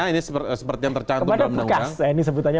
ini seperti yang tercantum dalam undang undang